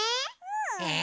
え！